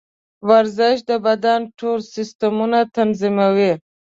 ورزش د بدن ټول سیسټمونه تنظیموي.